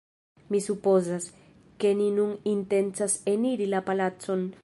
Mi supozas, ke ni nun intencas eniri la palacon